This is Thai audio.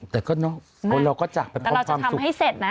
แต่ก็เนอะคนเราก็จักเป็นความความสุขแต่เราจะทำให้เสร็จนะ